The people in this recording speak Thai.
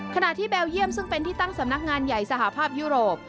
ขณะที่เบลเยี่ยมซึ่งเป็นที่ตั้งสำนักงานใหญ่สหภาพยุโรป